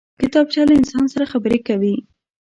کتابچه له انسان سره خبرې کوي